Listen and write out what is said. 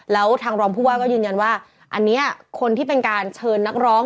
แล้วทางรองผู้ว่าก็ยืนยันว่าอันนี้คนที่เป็นการเชิญนักร้อง